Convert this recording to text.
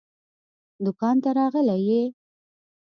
دوکان ته راغلی يې؟